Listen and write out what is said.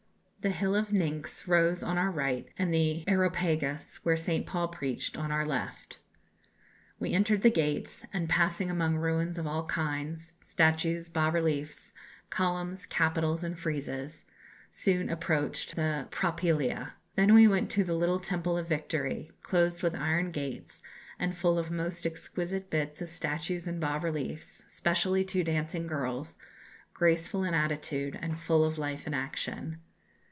The Hill of Pnyx rose on our right, and the Areopagus, where St. Paul preached, on our left. We entered the gates, and, passing among ruins of all kinds statues, bas reliefs, columns, capitals, and friezes soon approached the propylæa. Then we went to the little Temple of Victory, closed with iron gates, and full of most exquisite bits of statues and bas reliefs, specially two dancing girls, graceful in attitude and full of life and action.